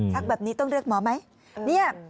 แบบนี้ต้องเรียกหมอไหม